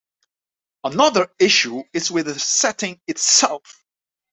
Another issue is with the setting itself.